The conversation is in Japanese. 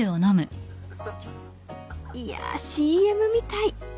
［いやＣＭみたい］